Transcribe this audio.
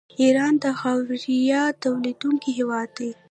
ایران د خاویار تولیدونکی هیواد دی.